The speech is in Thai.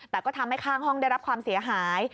แต่ก็ทำให้ข้างห้องได้รับความเสียหาย